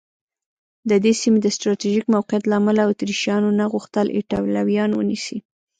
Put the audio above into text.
د دې سیمې د سټراټېژیک موقعیت له امله اتریشیانو نه غوښتل ایټالویان ونیسي.